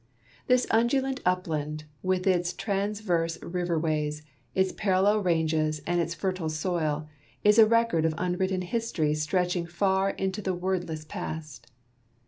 This undulant upland, with its transverse riverways, its parallel ranges, and its fertile soil, is a record of unwritten history stretching far into the wordless past.